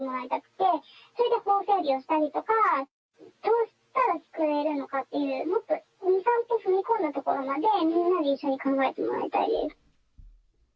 社会全体で考えてもらいたくて、それで法整備をしたりとか、どうしたら救えるのかって、もっと２、３歩踏み込んだところまで、みんなで一緒に考えてもらいたいです。